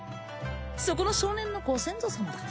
そこの少年のご先祖様だ